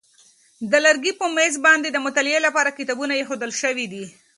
د لرګي په مېز باندې د مطالعې لپاره کتابونه ایښودل شوي دي.